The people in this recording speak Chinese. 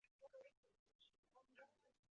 中华人民共和国及越南均宣称拥有其主权。